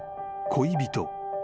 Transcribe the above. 恋人。